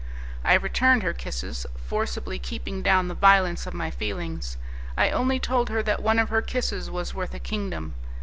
I returned her kisses, forcibly keeping down the violence of my feelings. I only told her that one of her kisses was worth a kingdom.